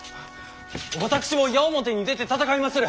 私も矢面に出て戦いまする。